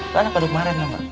lo anak padahal kemarin sama